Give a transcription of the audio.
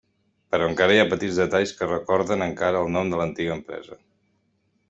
Però encara hi ha petits detalls que recorden encara el nom de l'antiga empresa.